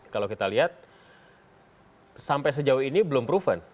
kalau kita lihat sampai sejauh ini belum proven